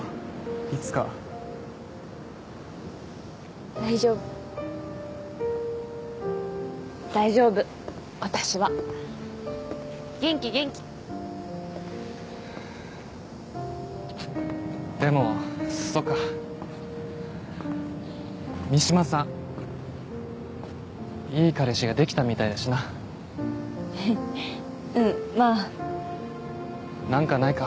いつか大丈夫大丈夫私は元気元気でもそっか三島さんいい彼氏ができたみたいだしなえっうんまあなんかないか？